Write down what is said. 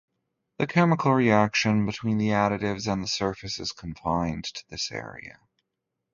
The chemical reaction between the additives and the surface is confined to this area.